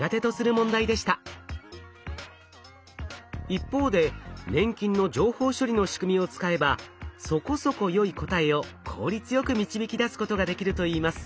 一方で粘菌の情報処理の仕組みを使えば「そこそこ良い答え」を効率よく導き出すことができるといいます。